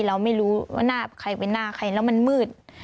เราไม่รู้ว่าหน้าใครเป็นหน้าใครแล้วมันมืด